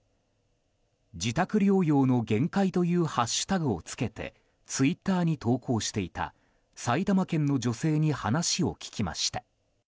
自宅療養の限界」というハッシュタグをつけてツイッターに投稿していた埼玉県の女性に話を聞きました。